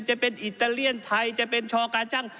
จะเป็นอิตาเลียนไทยจะเป็นชอกาจัง